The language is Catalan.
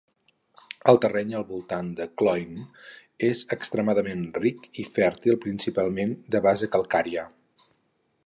El terreny al voltant de Cloyne és extremadament ric i fèrtil, principalment de base calcària.